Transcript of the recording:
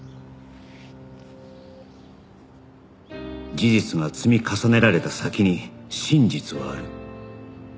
事実が積み重ねられた先に真実はある